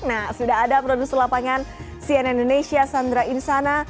nah sudah ada produser lapangan cnn indonesia sandra insana